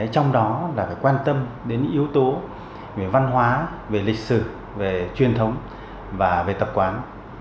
trong đó là phải quan tâm đến những yếu tố về văn hóa về lịch sử về truyền thống và về tập quán